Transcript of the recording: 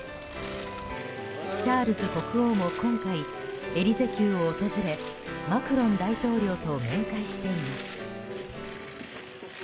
チャールズ国王も今回エリゼ宮を訪れマクロン大統領と面会しています。